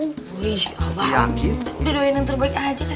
udah doain yang terbaik aja